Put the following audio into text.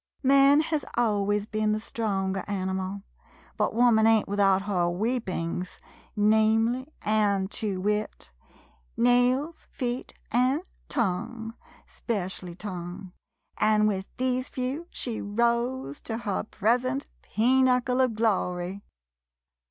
Man hez always ben the stronger animal, but woman ain't without her weapings — namely and to wit, nails, feet, and tongue, — specially tongue, — an' with these few, she rose to her present peenuckle of glory!